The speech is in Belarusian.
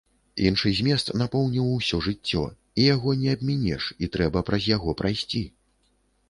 Іншы змест напоўніў усё жыццё, і яго не абмінеш, і трэба праз яго прайсці.